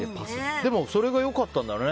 でも、それが良かったんだろうね。